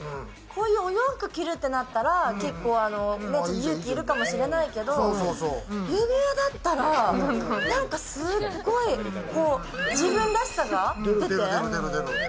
こういうお洋服着るってなった結構勇気要るかもしれないけど、指輪だったらすっごい自分らしさが出て。